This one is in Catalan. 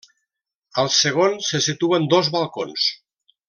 Al segon se situen dos balcons.